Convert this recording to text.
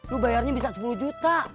lu bayarnya bisa sepuluh juta